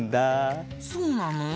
そうなの？